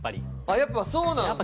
やっぱそうなんですか？